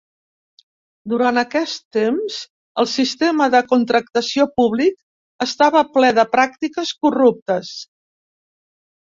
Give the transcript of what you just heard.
Durant aquest temps el sistema de contractació públic estava ple de pràctiques corruptes.